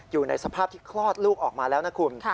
อยู่ในสภาพที่คลอดลูกออกมาแล้วนะคุณ